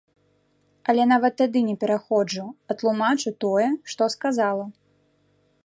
Але нават тады не пераходжу, а тлумачу тое, што сказала.